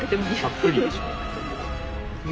たっぷりでしょ。